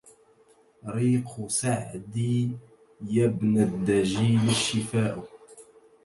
ريق سعدى يا ابن الدجيل الشفاء